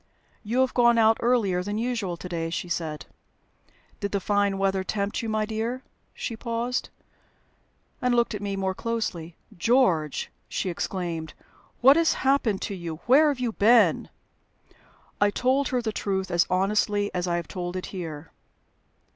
"You have gone out earlier than usual to day," she said. "Did the fine weather tempt you, my dear?" She paused, and looked at me more closely. "George!" she exclaimed, "what has happened to you? Where have you been?" I told her the truth as honestly as I have told it here.